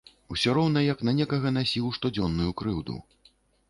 Усё роўна як на некага насіў штодзённую крыўду.